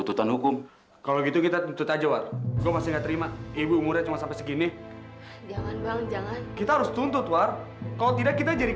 sampai jumpa di video selanjutnya